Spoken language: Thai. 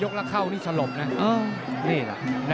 ๓ยกละเข้านี่ฉรบนะเหน่ห์